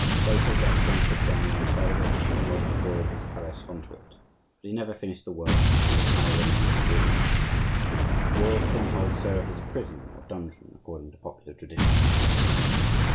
Later, Gaston took down one side of it, in order to build his palace on to it; but he never finished the work, and the tower remained in ruins. This royal stronghold served as a prison or dungeon, according to popular tradition.